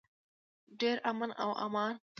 ډیر امن و امان و.